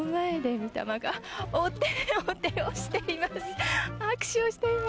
握手をしています。